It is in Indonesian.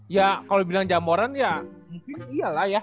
ya kalo bilang jamoran ya memphis iyalah ya